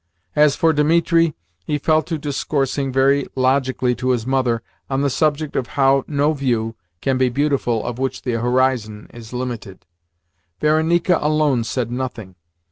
As for Dimitri, he fell to discoursing very logically to his mother on the subject of how no view can be beautiful of which the horizon is limited. Varenika alone said nothing.